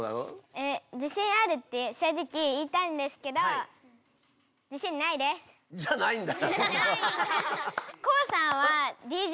え自信あるって正直言いたいんですけどじゃないんだ。